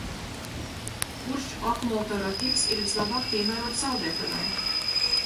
Kurš akumulatora tips ir vislabāk piemērots saldētavai?